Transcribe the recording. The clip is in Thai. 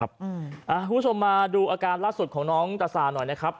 คุณผู้ชมมาดูอาการล่าสุดของน้องตาซาหน่อยนะครับ